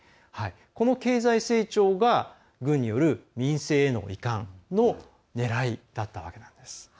この経済成長が軍による民政への移管のねらいだったわけなんです。